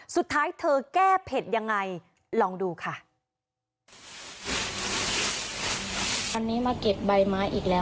สุดท้ายเธอแก้เผ็ดยังไงลองดูค่ะ